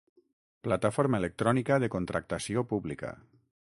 Plataforma electrònica de contractació pública.